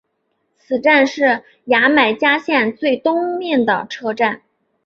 此站是牙买加线最东面的车站。